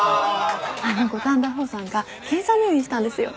あの五反田宝山が検査入院したんですよ。